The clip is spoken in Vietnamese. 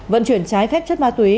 vận chuyển trái phép chất ma túy